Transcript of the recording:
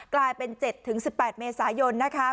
กลายเป็น๗๑๘เมษายนนะคะ